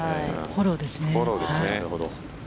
フォローですね。